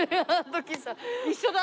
一緒だ！